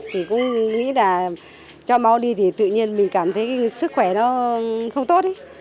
thì cũng nghĩ là cho máu đi thì tự nhiên mình cảm thấy sức khỏe nó không tốt